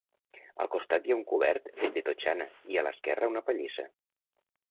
Al costat hi ha un cobert fet de totxana i a l'esquerra una pallissa.